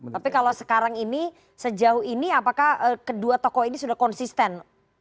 tapi kalau sekarang ini sejauh ini apakah kedua tokoh ini sudah konsisten